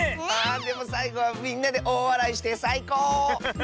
でもさいごはみんなでおおわらいしてさいこう！